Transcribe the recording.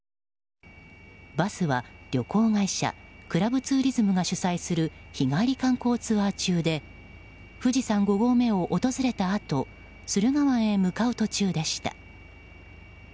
バスは、旅行会社クラブツーリズムが主催する日帰り観光ツアー中で富士山５合目を訪れたあと駿河湾へ向かう途中でした。